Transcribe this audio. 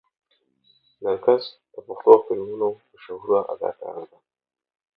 نرګس د پښتو فلمونو مشهوره اداکاره ده.